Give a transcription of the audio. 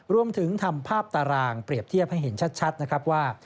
รวมถึงทำภาพตารางเปรียบเทียบให้เห็นชัดนะครับว่า